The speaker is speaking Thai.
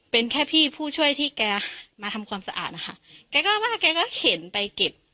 เป็นแค่พี่ผู้ช่วยที่แกมาทำความสะอาดนะคะแกก็ว่าแกก็เข็นไปเก็บ